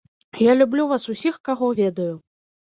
Я люблю вас усіх, каго ведаю.